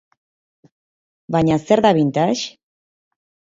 Baina zer da vintage?